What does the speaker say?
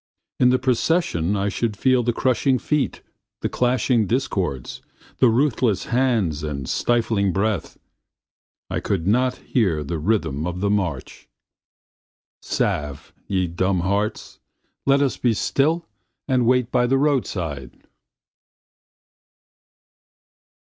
In the procession I should feel the crushing feet, the clashing discords, the ruthless hands and stifling breath. I could not hear the rhythm of the march. Salve! ye dumb hearts. Let us be still and wait by the roadside.